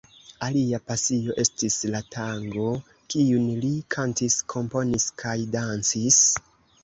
Alia pasio estis la tango, kiun li kantis, komponis kaj dancis.